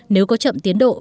nếu có chậm tiến độ bị áp dụng